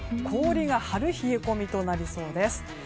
氷が張る冷え込みとなりそうです。